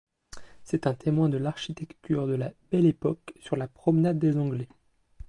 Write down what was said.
C'est un témoin de l'architecture de la Belle Époque sur la promenade des Anglais.